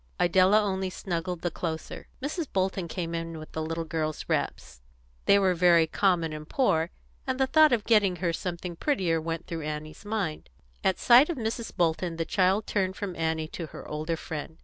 Idella only snuggled the closer. Mrs. Bolton came in with the little girl's wraps; they were very common and poor, and the thought of getting her something prettier went through Annie's mind. At sight of Mrs. Bolton the child turned from Annie to her older friend.